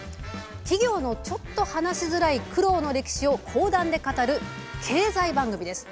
企業のちょっと話しづらい苦労の歴史を講談で語る経済番組です。